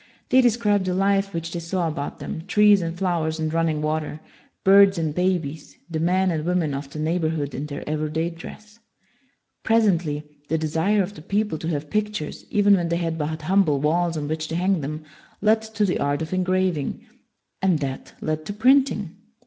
They described the life which they saw about them, trees and flowers and running water, birds and babies, the men and women of the neigh borhood in their everyday dress. Pres ently, the desire of the people to have pictures, even when they had but humble walls on which to hang them, led to the art of engraving; and that led to printing.